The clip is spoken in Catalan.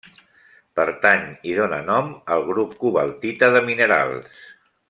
Pertany i dóna nom al grup cobaltita de minerals.